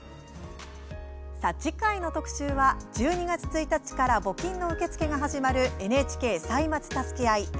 次回の特集は、１２月１日から募金の受け付けが始まるＮＨＫ歳末たすけあい